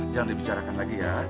jangan dibicarakan lagi ya